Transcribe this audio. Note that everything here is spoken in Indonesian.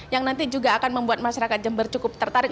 yang nanti juga akan membuat masyarakat jember cukup tertarik